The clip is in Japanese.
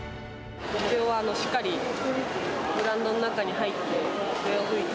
目標は、しっかりグラウンドの中に入って、笛を吹いて、